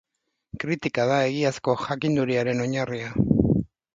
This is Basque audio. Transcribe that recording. Kritika da egiazko jakinduriaren oinarria.